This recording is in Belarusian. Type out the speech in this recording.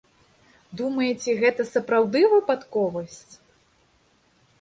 Думаеце, гэта сапраўды выпадковасць?